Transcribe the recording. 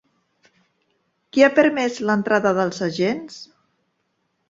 Qui ha permès l'entrada dels agents?